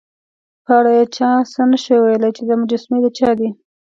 په اړه یې چا څه نه شوای ویلای، چې دا مجسمې د چا دي.